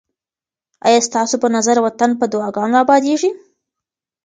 آیا ستاسو په نظر وطن په دعاګانو اباديږي؟